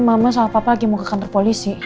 mama sama papa lagi mau ke kantor polisi